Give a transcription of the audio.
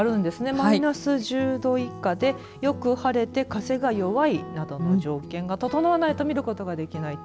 マイナス１０度以下でよく晴れて風が弱いなどの条件が整わないと見ることができないと。